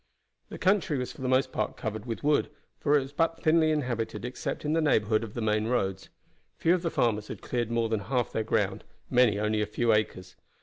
The country was for the most part covered with wood, for it was but thinly inhabited except in the neighborhood of the main roads. Few of the farmers had cleared more than half their ground; many only a few acres.